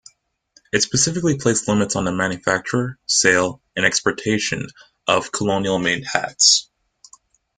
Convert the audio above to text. It specifically placed limits on the manufacture, sale, and exportation of colonial-made hats.